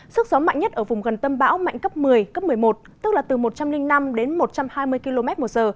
sức gió mạnh nhất ở vùng gần tâm bão mạnh cấp một mươi cấp một mươi một tức là từ một trăm linh năm đến một trăm hai mươi km một giờ